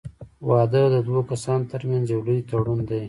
• واده د دوه کسانو تر منځ یو لوی تړون دی.